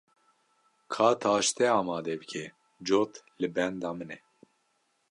Ka taştê amade bike, cot li benda min e.